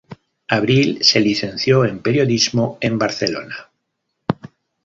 Abril se licenció en periodismo en Barcelona.